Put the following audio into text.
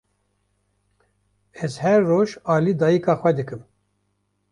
Ez her roj alî dayîka xwe dikim.